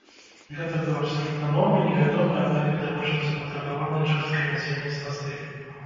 Гэта быў абсалютна новы, не вядомы, аднак відавочна запатрабаваны часткай насельніцтва стыль.